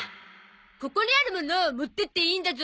ここにあるもの持ってっていいんだゾ。